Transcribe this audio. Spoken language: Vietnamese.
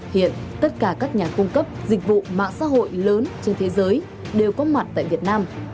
hiện tất cả các nhà cung cấp dịch vụ mạng xã hội lớn trên thế giới đều có mặt tại việt nam